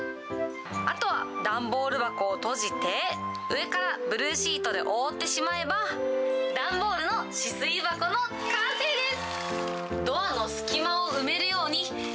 あとは段ボール箱を閉じて、上からブルーシートで覆ってしまえば、段ボールの止水箱の完成です。